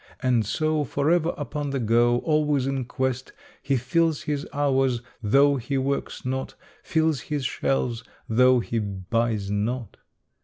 And so, forever upon the go, always in quest, he fills his hours, though he works not, fills his shelves, though he buys not.